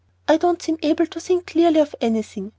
I don't seem able to think clearly of anything."